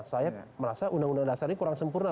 saya merasa undang undang dasar ini kurang sempurna